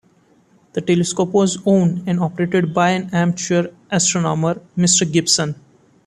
The telescope was owned and operated by an amateur astronomer, Mr. Gibson.